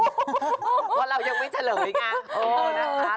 เพราะเรายังไม่เฉลยไง